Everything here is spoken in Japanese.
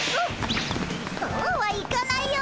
そうはいかないよ！